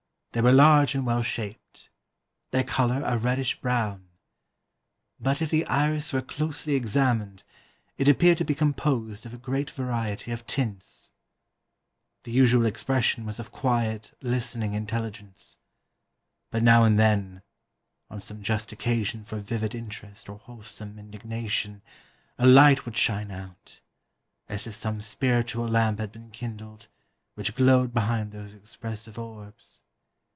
They were large and well shaped, their colour a reddish brown, but if the iris were closely examined, it appeared to be composed of a great variety of tints. The usual expression was of quiet, listening intelligence; but now and then, on some just occasion for vivid interest or wholesome indignation, a light would shine out, as if some spiritual lamp had been kindled, which glowed behind those expressive orbs.